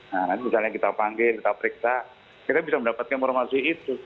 nah nanti misalnya kita panggil kita periksa kita bisa mendapatkan informasi itu